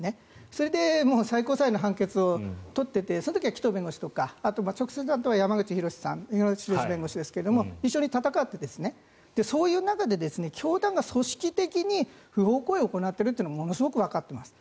それで最高裁の判決を取っててその時は紀藤弁護士とか山口広弁護士ですが一緒に戦ってそういう中で教団が組織的に不法行為を行っているのはものすごくわかっています。